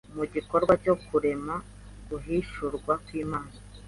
mu gikorwa cyo kurema guhishurwa kw'Imana